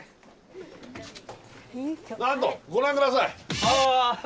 なんとご覧下さい。